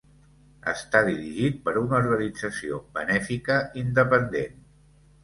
Està dirigit per una organització benèfica independent.